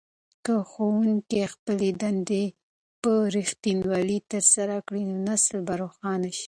که ښوونکي خپلې دندې په رښتینولۍ ترسره کړي نو نسل به روښانه شي.